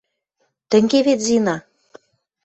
Тӹнге вет, Зина?